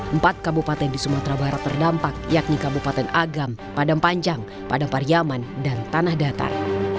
empat kabupaten di sumatera barat terdampak yakni kabupaten agam padang panjang padang pariyaman dan tanah datar